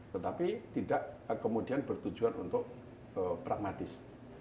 tetapi tidak kemudian bertujuan untuk pragmatis